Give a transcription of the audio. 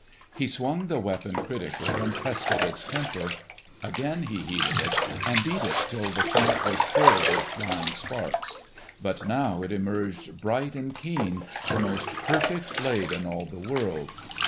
He swung the weapon critically and tested its temper. Again he heated it, and beat it till the shop was filled with flying sparks. But now it emerged bright and keen—the most perfect blade in all the world.